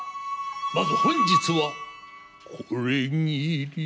まず本日は「これぎり」。